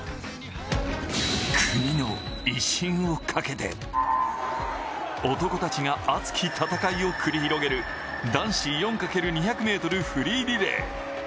国の威信をかけて、男たちが熱き戦いを繰り広げる男子４×２００ｍフリーリレー。